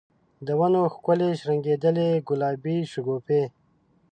د ونو ښکلي شرنګیدلي ګلابې شګوفي